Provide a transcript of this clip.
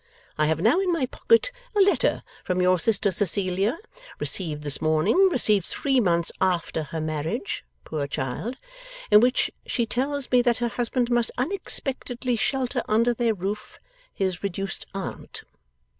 I have now in my pocket a letter from your sister Cecilia, received this morning received three months after her marriage, poor child! in which she tells me that her husband must unexpectedly shelter under their roof his reduced aunt.